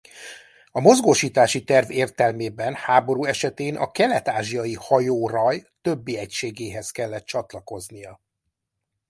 A mozgósítási terv értelmében háború esetén a Kelet-ázsiai Hajóraj többi egységéhez kellett csatlakoznia.